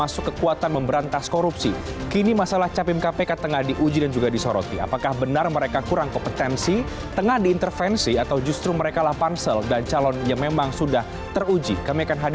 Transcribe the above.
sampai jumpa di video selanjutnya